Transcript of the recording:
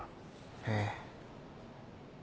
ええ。